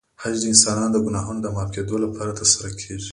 حج د انسانانو د ګناهونو د معاف کېدو لپاره ترسره کېږي.